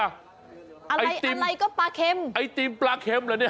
อะไรอะไรก็ปลาเค็มไอติมปลาเค็มเหรอเนี่ย